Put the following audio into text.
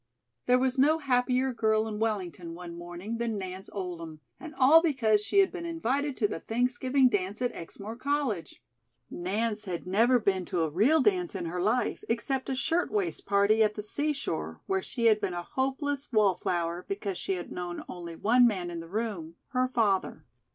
There was no happier girl in Wellington one morning than Nance Oldham, and all because she had been invited to the Thanksgiving dance at Exmoor College. Nance had never been to a real dance in her life, except a "shirtwaist" party at the seashore, where she had been a hopeless wallflower because she had known only one man in the room her father.